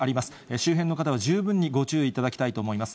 周辺の方は十分にご注意いただきたいと思います。